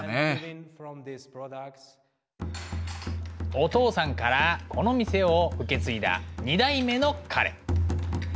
お父さんからこの店を受け継いだ２代目の彼。